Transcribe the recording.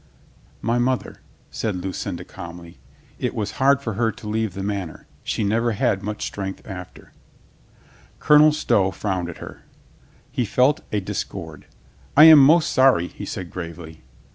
"My mother," said Lucinda calmly. "It was 192 LOVERS' MEETING i93 hard for her to leave the Manor. She never had much strength after." Colonel Stow frowned at her. He felt a dis cord. "I am most sorry," he said gravely.